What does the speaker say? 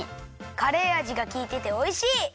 カレーあじがきいてておいしい！